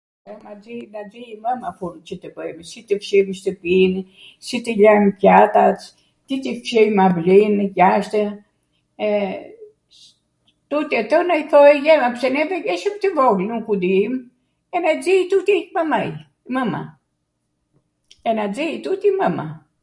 Na nxij mwma punwt qw tw bwjmw, si tw fshijmw shtwpin, si tw ljajmw pjatat, si tw fshijmw avlinw jashtw, tuti ato na i thosh jwma pse ne jeshmw tw vogla, nuku dim, edhe nxij tuti mamaj, mwma, e na nxij tuti mwma.